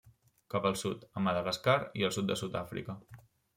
Cap al sud, a Madagascar i el sud de Sud-àfrica.